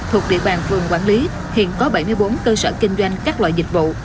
thuộc địa bàn phường quản lý hiện có bảy mươi bốn cơ sở kinh doanh các loại dịch vụ